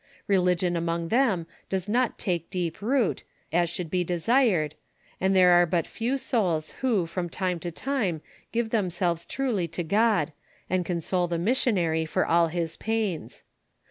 Religion among them does not take deep root^ as should be desired, and there nre but few souls who from time to time give themselves truly to God, and console the missionary for all his pains.